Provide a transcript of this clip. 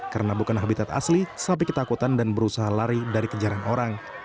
karena bukan habitat asli sapi ketakutan dan berusaha lari dari kejaran orang